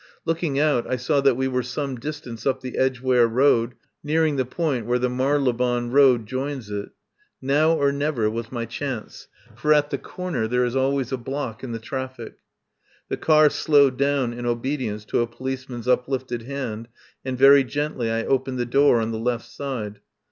Looking out I saw that we were some distance up the Edgeware Road, nearing the point where the Marylebone Road joins it. Now or never was my chance, for at the corner there is always a block in the traffic. The car slowed down in obedience to a policeman's uplifted hand, and very gently I opened the door on the left side.